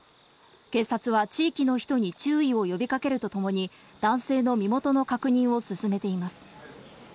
警察は地域の人に注意を呼びかけるとともに男性の身元の確認を進めています。